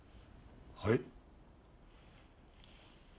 はい？